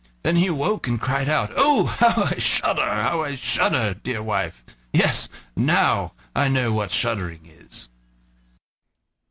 Then he awoke and cried out: "Oh! how I shudder, how I shudder, dear wife! Yes, now I know what shuddering is."